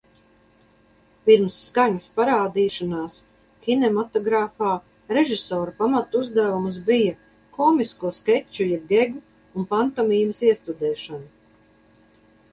Pirms skaņas parādīšanās kinematogrāfā režisora pamatuzdevums bija komisko skeču jeb gegu un pantomīmas iestudēšana.